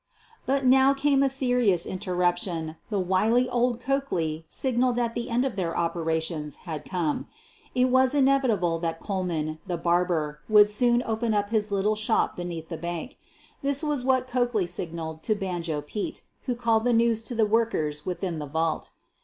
But now came a serious interruption, the wily old Coakley signaled that the end of their operations had come. It was inevitable that Kohlman, the barber, would soon open up his little shop beneath the bank. This was what Coakley signaled to " Banjo Pete," who called the news to the workers within the vault.